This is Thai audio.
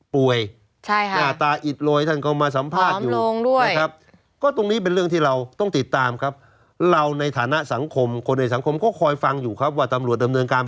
ผมก็มีผ้าปิดปากผมมีใส่แว่นดำ